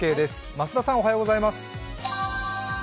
増田さんおはようございます。